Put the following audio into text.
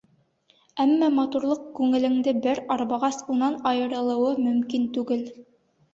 Әммә матурлыҡ күңелеңде бер арбағас, унан айырылыуы мөмкин түгел.